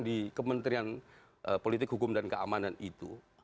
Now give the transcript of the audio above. di kementerian politik hukum dan keamanan itu